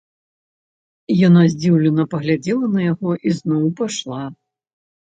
Яна здзіўлена паглядзела на яго і зноў пайшла.